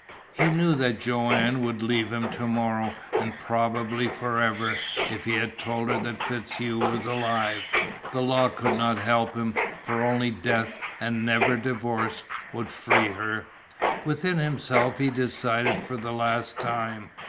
He knew that Joanne would leave him to morrow, and probably forever, if he told her that FitzHugh was alive. The law could not help him, for only death and never divorce would free her. Within himself he decided for the last time.